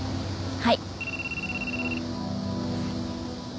はい。